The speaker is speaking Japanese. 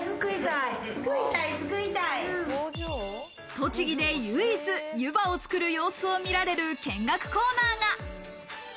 栃木で唯一、ゆばを作る様子を見られる見学コーナーが。